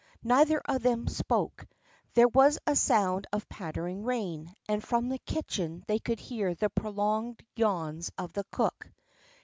Neither of them spoke. There was the sound of the pattering rain, and from the kitchen they could hear the prolonged yawns of the cook.